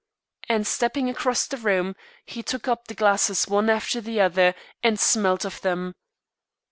And stepping across the room, he took up the glasses one after the other and smelled of them.